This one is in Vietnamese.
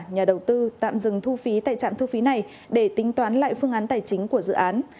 nhà đầu tư tạm dừng thu phí tại trạm thu phí này để tính toán lại phương án tài chính của dự án